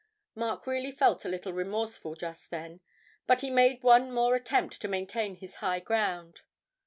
Mark really felt a little remorseful just then, but he made one more attempt to maintain his high ground.